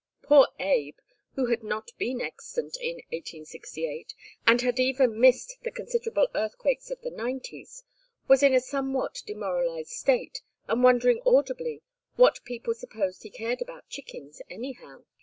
Poor Abe, who had not been extant in 1868, and had even missed the considerable earthquakes of the Nineties, was in a somewhat demoralized state, and wondering audibly what people supposed he cared about chickens, anyhow.